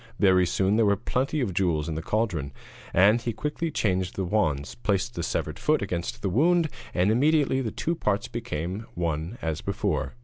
Very soon there were plenty of jewels in the cauldron, and he quickly changed the wands, placed the severed foot against the wound, and immediately the two parts became one as before.